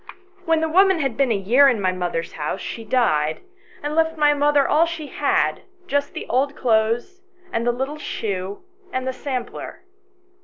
When the woman had been a year in my mother's house she died, and left my mother all she had, just the old clothes, and the little shoe, and the sampler.